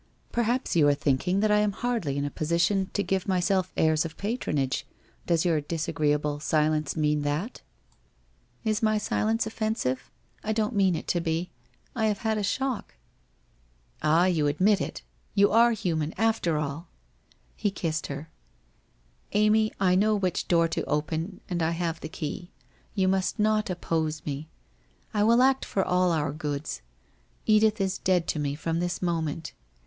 Perhaps you are thinking that I am hardly in a position to give myself airs of patronage ? Does your disagreeable silence mean that? '' Is my silence offensive ? I don't mean it to be. I have had a shock.' ' Ah, you admit it ! You are human, after all !' He kissed her. ' Amy, I know which door to open and I have the key. You must not oppose me. I will act for all our goods. Edith is dead to me, from this moment.